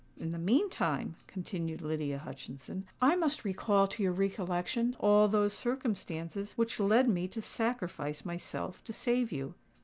In the meantime," continued Lydia Hutchinson, "I must recall to your recollection all those circumstances which led me to sacrifice myself to save you."